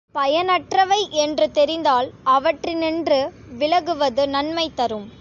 பயனற்றவை என்று தெரிந்தால் அவற்றினின்று விலகுவது நன்மை தரும்.